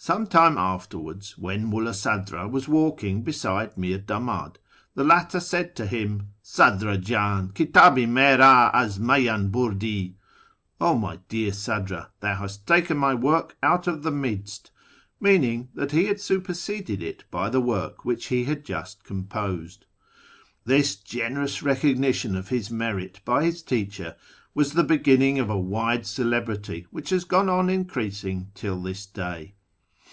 Some time afterwards, when Mulla Sadra was walking beside Mir Damad, the latter said to him, " Sadrdjdn! Kitdl i merd az meydn hurdi!" (" 0 my dear Sadra, thou hast taken my work out of the midst "— meaning that he had superseded it by the work which he had just composed). This generous recognition of his merit by his teacher was the beginning of a wide celebrity which has gone on increasing till this day.